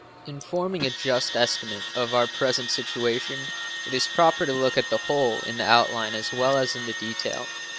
In forming a just estimate of our present situation it is proper to look at the whole in the outline as well as in the detail.